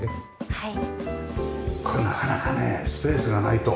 はい。